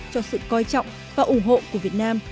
cho sự coi trọng và ủng hộ của việt nam